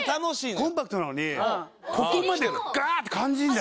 コンパクトなのにここまでガッて感じんだよね。